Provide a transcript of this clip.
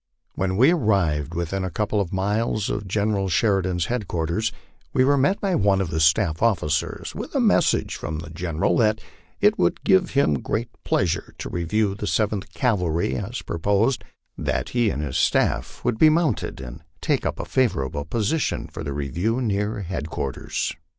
When we arrived within a couple of miles of General Sheridan's headquarters, we were met by one of his staff officers with a message from the General, that it would give him great pleasure to review the Seventh Cavalry as proposed, and that he and his staff would be mounted, and take up a favorable position for the review near headquarters.